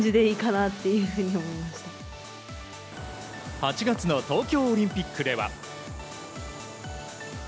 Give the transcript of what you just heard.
８月の東京オリンピックでは。